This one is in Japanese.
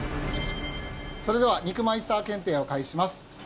それでは肉マイスター検定を開始します。